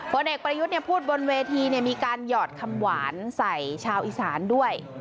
ผลเอกประยุทธ์พูดบนเวทีมีการหยอดคำหวานใส่ชาวอีสานด้วย